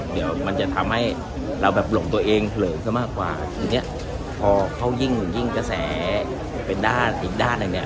เดี๋ยวมันจะทำให้เราแบบลงตัวเองเหลืองก็มากกว่าอย่างเงี้ยพอเขายิ่งยิ่งกระแสเป็นด้านอีกด้านอันเนี้ย